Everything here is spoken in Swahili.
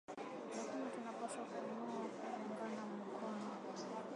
Lakini tuna pashwa kuyua ku ungana mukono